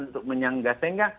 untuk menyanggah sehingga